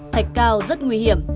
thạch cao rất nguy hiểm